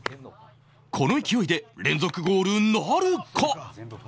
この勢いで連続ゴールなるか？